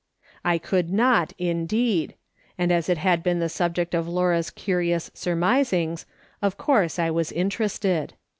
I could not, indeed ; and as it had been the subject of Laura's curious surmisings, of course I was in terested.